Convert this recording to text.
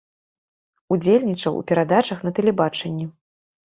Удзельнічаў у перадачах на тэлебачанні.